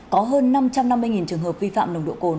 có hơn năm trăm năm mươi trường hợp vi phạm nồng độ cồn